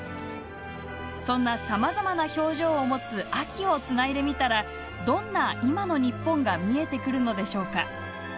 そんな、さまざまな表情を持つ「秋」をつないでみたらどんな今のニッポンが見えてくるのでしょうか。